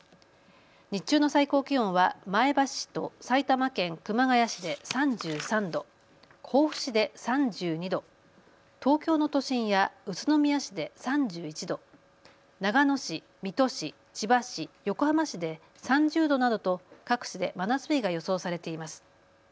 日中の最高気温は前橋市と埼玉県熊谷市で３３度、甲府市で３２度、東京の都心や宇都宮市で３１度、長野市、水戸市、千葉市、横浜市で３０度などと各地で真夏日が予想されています。